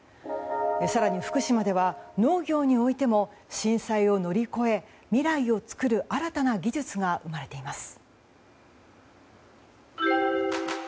更に福島では農業においても震災を乗り越え未来をつくる、新たな技術が生まれています。